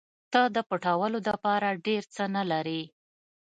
ته د پټولو دپاره ډېر څه نه لرې.